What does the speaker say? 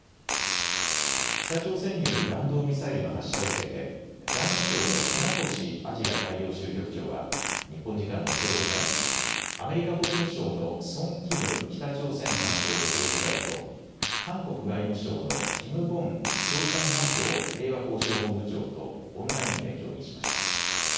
北朝鮮による弾道ミサイルの発射を受けて、外務省の船越アジア大洋州局長は、日本時間のきょう午前、アメリカ国務省のソン・キム北朝鮮担当特別代表、韓国外務省のキム・ゴン朝鮮半島平和交渉本部長とオンラインで協議しました。